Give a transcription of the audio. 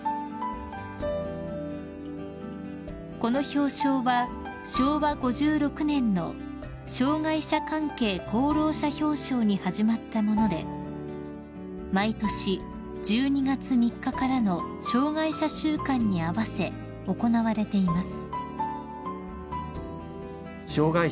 ［この表彰は昭和５６年の障害者関係功労者表彰に始まったもので毎年１２月３日からの障害者週間に合わせ行われています］